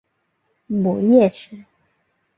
母叶氏。